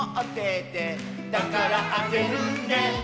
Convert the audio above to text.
「だからあげるね」